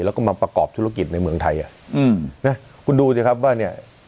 แล้วก็มาประกอบธุรกิจในเมืองไทยคุณดูเนี่ยครับว่านี่